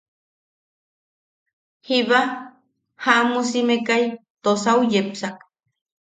Jiba jaʼamusimekai tosau yepsak.